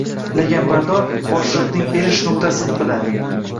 Laganbardor boshliqning erish nuqtasini biladi